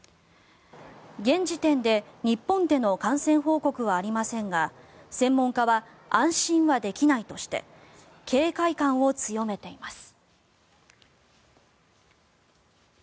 現時点で日本での感染報告はありませんが専門家は安心はできないとして警戒感を強めています。